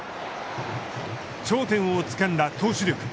頂点をつかんだ投手力。